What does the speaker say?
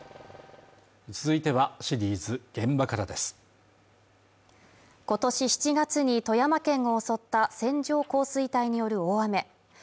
続いてはシリーズ「現場から」です今年７月に富山県を襲った線状降水帯による大雨